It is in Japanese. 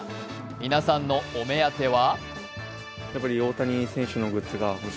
皆さんのお目当ては？